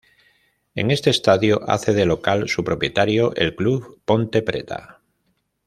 En este estadio hace de local su propietario el club Ponte Preta.